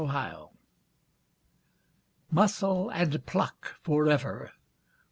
4 Muscle and pluck forever!